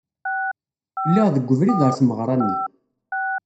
Lliɣ deg ubrid ɣer tmeɣra-nni.